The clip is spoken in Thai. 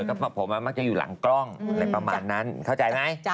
ก็ผมมักจะอยู่หลังกล้องอะไรประมาณนั้นเข้าใจไหม